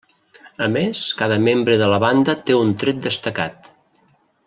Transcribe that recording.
A més, cada membre de la banda té un tret destacat.